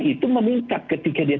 itu meningkat ketika dia